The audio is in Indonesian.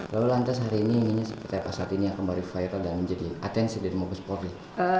lalu lantas hari ini ini seperti apa saat ini yang kembali viral dan menjadi atensi dari mabes polri